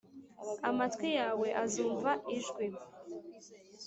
, amatwi yawe azumva ijwi